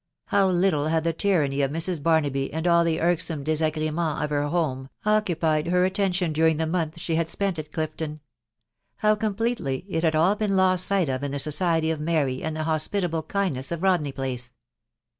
How little had the tyranny of Mrs. Bar naby, and all the irksome d&agrtmens of her home, occupied her attention during the month she had spent at ditto?.. I Hqvt T 4s 280 THE WIDOW BABNABT. completely it had all been lost right of in the society of May, and the hospitable kindness of Rodney Place